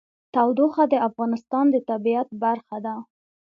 تودوخه د افغانستان د طبیعت برخه ده.